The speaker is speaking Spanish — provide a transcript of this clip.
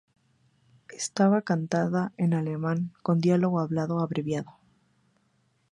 Estaba cantada en alemán, con diálogo hablado abreviado.